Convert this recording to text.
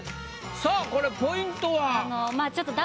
さあこれポイントは？